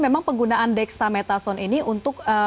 oke berarti penggunaan dexamethasone ini untuk penyelamatkan